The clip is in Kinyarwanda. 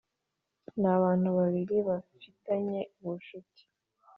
N abantu babiri bafitanye ubucuti